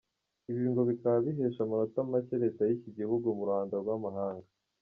Ibi ngo bikaba bihesha amanota make leta y’Iki gihugu mu ruhando rw’amahanga.